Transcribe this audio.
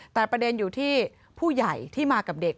แต่ประเด็นอยู่ที่ผู้ใหญ่ที่มากับเด็ก